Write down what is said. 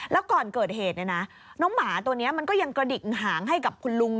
แล้วก่อนเกิดเหตุเนี่ยนะน้องหมาตัวนี้มันก็ยังกระดิกหางให้กับคุณลุง